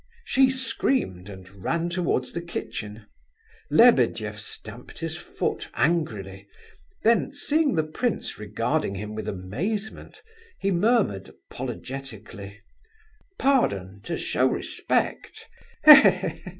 She screamed, and ran towards the kitchen. Lebedeff stamped his foot angrily; then, seeing the prince regarding him with amazement, he murmured apologetically—"Pardon to show respect!...